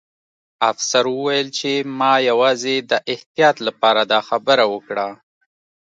افسر وویل چې ما یوازې د احتیاط لپاره دا خبره وکړه